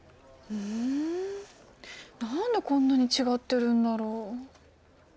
うん何でこんなに違ってるんだろう。